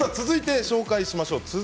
続いて紹介しましょう。